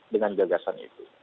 dengan gagasan itu